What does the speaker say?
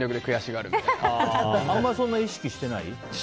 あんまりそんなに意識してない？